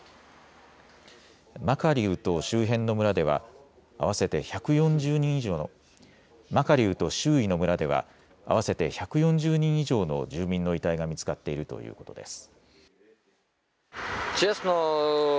マカリウと周辺の村ではマカリウと周囲の村では合わせて１４０人以上の住民の遺体が見つかっているということです。